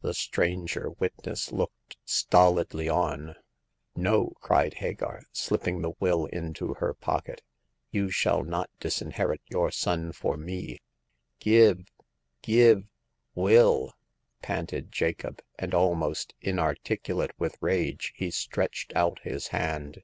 The stranger witness looked stolidly on. No !" cried Hagar, slipping the will into her pocket. You shall not disinherit your son for me !"Give— give— will !" panted Jacob, and, almost inarticulate with rage, he stretched out his hand.